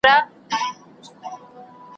بوزه چي هم پرېوځي ځای په پښو پاکوي `